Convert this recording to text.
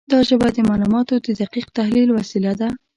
دا ژبه د معلوماتو د دقیق تحلیل وسیله ده.